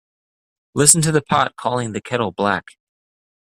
Listen to the pot calling the kettle black.